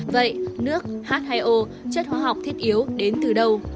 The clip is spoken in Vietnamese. vậy nước h hai o chất hóa học thiết yếu đến từ đâu